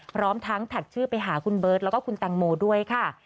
พร้อมทั้งแท็กชื่อไปหาคุณเบิร์ตแล้วก็คุณแตงโมด้วยค่ะ